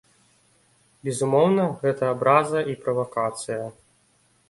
Безумоўна, гэта абраза і правакацыя.